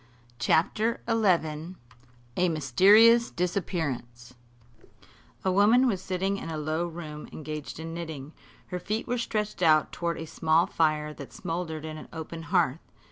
CHAPTER XI A MYSTERIOUS DISAPPEARANCE A woman was sitting in a low room, engaged in knitting. Her feet were stretched out toward a small fire that smouldered in an open hearth.